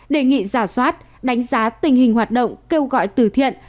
đề nghị giả soát đánh giá tình hình hoạt động kêu gọi từ thiện